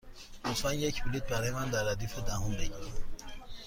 لطفا یک بلیط برای من در ردیف دهم بگیر.